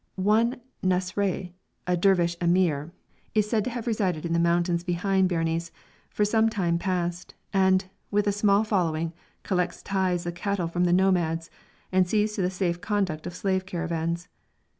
One Nasrai, a Dervish emir, is said to have resided in the mountains behind Berenice for some time past, and, with a small following, collects tithes of cattle from the nomads and sees to the safe conduct of slave caravans.